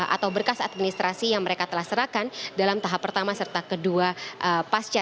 atau berkas administrasi yang mereka telah serahkan dalam tahap pertama serta kedua pasca